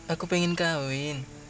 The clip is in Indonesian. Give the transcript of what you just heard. aku pengen kawin